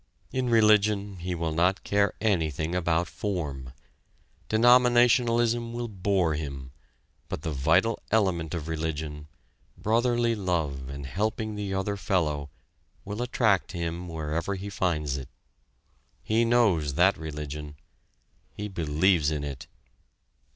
In religion, he will not care anything about form. Denominationalism will bore him, but the vital element of religion, brotherly love and helping the other fellow, will attract him, wherever he finds it. He knows that religion he believes in it.